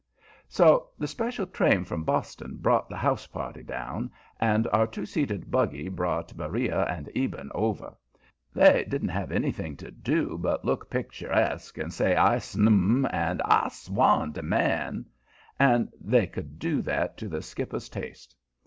So the special train from Boston brought the "house party" down, and our two seated buggy brought Beriah and Eben over. They didn't have anything to do but to look "picturesque" and say "I snum!" and "I swan to man!" and they could do that to the skipper's taste.